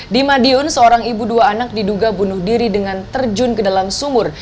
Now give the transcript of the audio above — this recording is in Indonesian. di madiun seorang ibu dua anak diduga bunuh diri dengan terjun ke dalam sumur